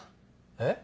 えっ？